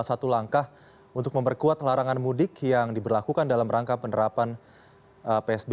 hal ini dapat diperpanjang dengan menyesuaikan dinamika pandemi covid sembilan belas di indonesia